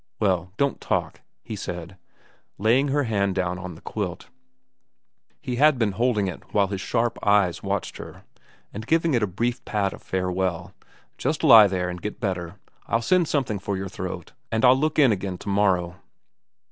* Well, don't talk,' he said, laying her hand down on the quilt he had been holding it while his sharp eyes watched her and giving it a brief pat of farewell. ' Just lie there and get better. I'll send something for your throat, and I'll look in again to morrow.'